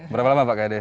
berapa lama pak kade